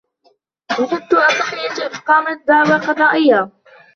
رفضت الضحية إقامة دعوى قضائية.